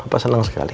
apa seneng sekali